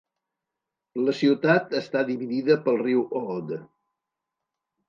La ciutat està dividida pel riu Aude.